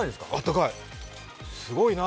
すごいな。